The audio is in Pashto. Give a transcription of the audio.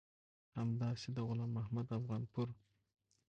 همداسې د غلام محمد افغانپور